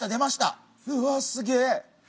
うわっすげえ！